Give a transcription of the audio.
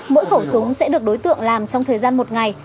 mỗi khẩu súng sẽ được đối tượng làm trong thời gian một ngày